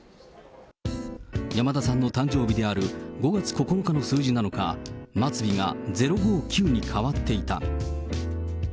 山田さんの誕生日である５月９日の数字なのか、末尾が０５９に変わっていた。